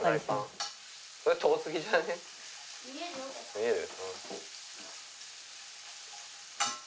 見える？